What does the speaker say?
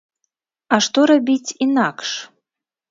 А што рабіць інакш?